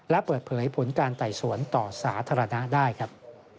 และเปิดเผยผลการไต่สวนต่อสาธารณะได้ครับ